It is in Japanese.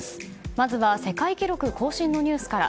まずは世界記録更新のニュースから。